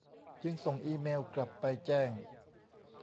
จึงส่งอีเมล์กลับไป แจ้ง